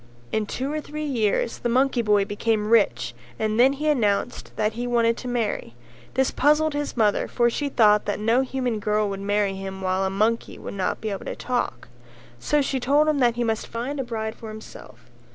In two or three years the monkey boy became rich and then he announced that he wanted to marry; this puzzled his mother for she thought that no human girl would marry him while a monkey would not be able to talk; so she told him that he must find a bride for himself.